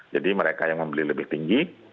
jadi mereka yang membeli lebih tinggi